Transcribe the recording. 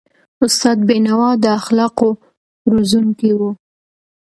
استاد بینوا د اخلاقو روزونکی و.